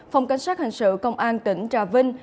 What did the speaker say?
phòng cảnh sát hình sự công an tỉnh trà vinh